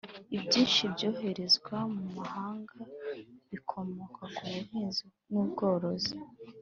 Ibyinshi byoherezwa mu mahanga bikomoka ku buhinzi n’ubworozi